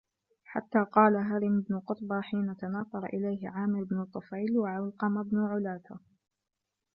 حَتَّى قَالَ هَرِمُ بْنُ قُطْبَةَ حِينَ تَنَافَرَ إلَيْهِ عَامِرُ بْنُ الطُّفَيْلِ وَعَلْقَمَةُ بْنُ عُلَاثَةَ